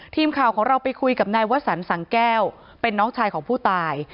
ทีมข่าวของเราไปคุยกับนายวสันสังแก้วเป็นน้องชายของผู้ตาย